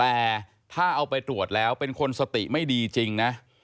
แต่ถ้าเอาไปตรวจแล้วเป็นคนสติไม่ดีจริงนะ